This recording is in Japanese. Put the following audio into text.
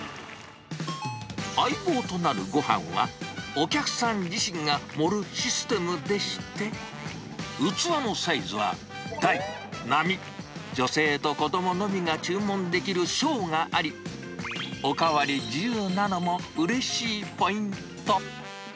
相棒となるごはんは、お客さん自身が盛るシステムでして、器のサイズは大、並、女性と子どものみが注文できる小があり、お代わり自由なのもうれしいポイント。